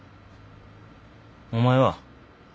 お前は？